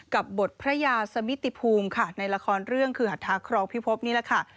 กับบทพระยาสมิติภูมิค่ะในละครเรื่องคือหัทธาครองพิพบนี่แหละค่ะ